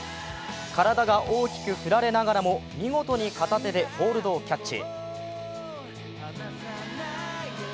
体が大きく振られながらも、見事に片手でホールドをキャッチ。